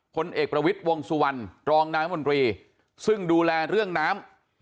ผลเอกประวิทย์วงสุวรรณรองนายมนตรีซึ่งดูแลเรื่องน้ำ